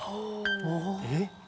えっ。